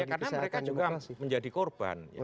karena mereka juga menjadi korban